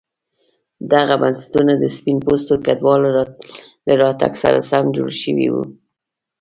دغه بنسټونه د سپین پوستو کډوالو له راتګ سره سم جوړ شوي وو.